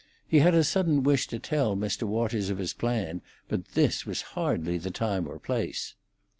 He had a sudden wish to tell Mr. Waters of his plan, but this was hardly the time or place.